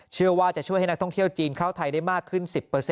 เชื่อว่าจะช่วยให้นักท่องเที่ยวจีนเข้าไทยได้มากขึ้น๑๐